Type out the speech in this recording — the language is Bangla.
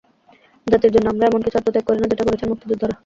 জাতির জন্য আমরা এমন কিছু আত্মত্যাগ করি না, যেটা করেছেন মুক্তিযোদ্ধারা।